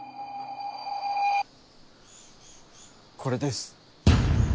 これです。